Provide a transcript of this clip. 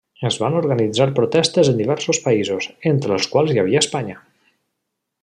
Es van organitzar protestes en diversos països, entre els quals hi havia Espanya.